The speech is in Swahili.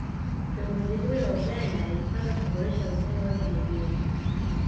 kiongozi huyo wa Uganda alipanga kuboresha ustawi wake mwenyewe